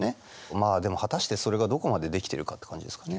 まあでも果たしてそれがどこまでできてるかって感じですかね。